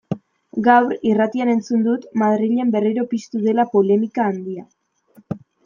Gaur, irratian, entzun dut Madrilen berriro piztu dela polemika handia.